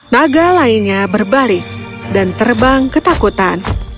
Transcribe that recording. naga lainnya berbalik dan terbang ketakutan